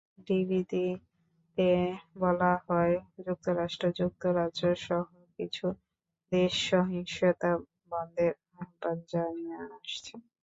বিবৃতিতে বলা হয়, যুক্তরাষ্ট্র, যুক্তরাজ্যসহ কিছু দেশ সহিংসতা বন্ধের আহ্বান জানিয়ে আসছে।